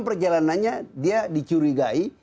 perjalanannya dia dicurigai